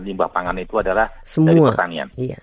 limbah pangan itu adalah dari pertanian